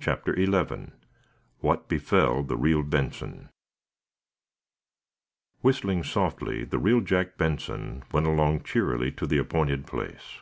CHAPTER XI WHAT BEFELL THE REAL BENSON Whistling softly, the real Jack Benson went along cheerily to the appointed place.